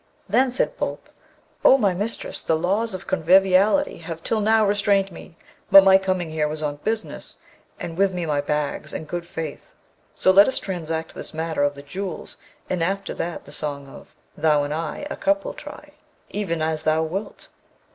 Then said Boolp, 'O my mistress, the laws of conviviality have till now restrained me; but my coming here was on business, and with me my bags, in good faith. So let us transact this matter of the jewels, and after that the song of ''Thou and I A cup will try,'' even as thou wilt.'